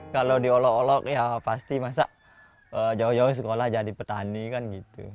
kalau diolok olok ya pasti masa jauh jauh sekolah jadi petani kan gitu